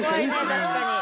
確かに。